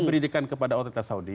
diberikan kepada otoritas saudi